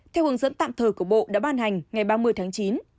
theo hướng dẫn tạm thời của bộ đã ban hành ngày ba mươi tháng chín